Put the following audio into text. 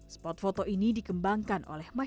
spot foto ini dikembangkan oleh masyarakat